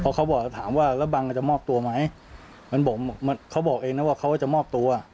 เขาบอกถามว่าแล้วบังอาจจะมอบตัวไหมมันบอกเขาบอกเองนะว่าเขาจะมอบตัว